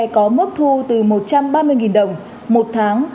có mức thu từ một trăm ba mươi đồng một tháng